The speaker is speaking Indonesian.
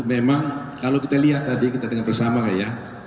memang kalau kita lihat tadi kita dengar bersama lah ya